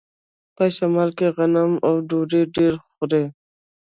په شمال کې غنم او ډوډۍ ډیره خوري.